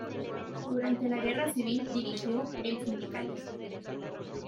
Durante la Guerra Civil dirigió "El Sindicalista'.